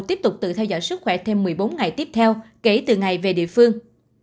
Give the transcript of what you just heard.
tiếp tục tự theo dõi sức khỏe thêm một mươi bốn ngày tiếp theo kể từ ngày về địa phương